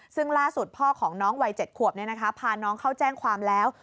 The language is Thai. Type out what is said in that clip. ซึ่งล่าสุดพ่อของน้องวัย๗ขวบพาน้องเข้าแจ้งความแล้ว